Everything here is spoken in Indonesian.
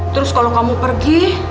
terus kalau kamu pergi